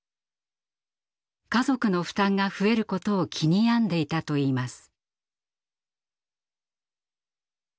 家族の負担が増えることを気に病んでいたといいます。